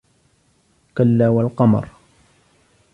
كَلَّا وَالْقَمَرِ